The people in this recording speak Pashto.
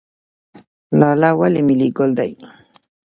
لاله ولې ملي ګل دی؟